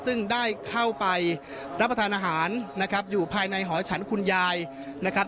ซึ่งได้เข้าไปรับประทานอาหารนะครับอยู่ภายในหอฉันคุณยายนะครับ